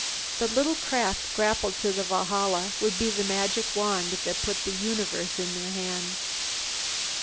The little craft grappled to the Valhalla would be the magic wand that put the universe in their hands.